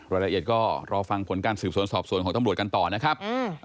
รายละเอียดก็รอฟังผลการสืบสวนสอบสวนของตำรวจกันต่อนะครับ